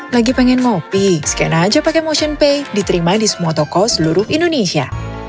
lagi pengen ngopi sekena aja pake motionpay diterima di semua toko seluruh indonesia